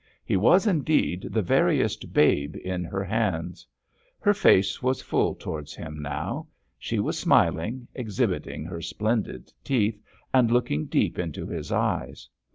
He was, indeed, the veriest babe in her hands. Her face was full towards him now. She was smiling, exhibiting her splendid teeth, and looking deep into his eyes.